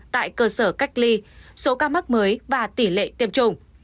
tại cơ sở cách ly số ca mắc mới và tỷ lệ tiêm chủng